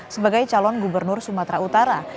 sebagai calon gubernur sumatera utara